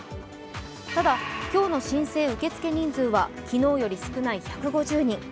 ただ、今日の申請受け付け人数は昨日より少ない１５０人。